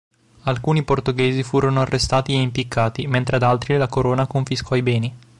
Alcuni portoghesi furono arrestati e impiccati, mentre ad altri la Corona confiscò i beni.